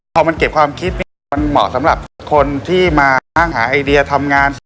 พอมันเก็บความคิดเนี่ยมันเหมาะสำหรับคนที่มาอ้างหาไอเดียทำงาน